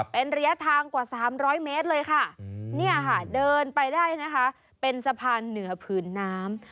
เป็นระยะทางกว่า๓๐๐เมตรเลยค่ะเดินไปได้เป็นสะพานเหนือผืนน้ำ